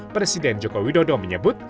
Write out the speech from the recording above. presiden joko widodo menyebut